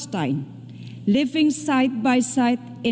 dan mereka berada di sana